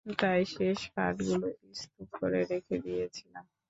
তাই শেষ কাঠগুলোও স্তূপ করে রেখে দিয়েছিলাম।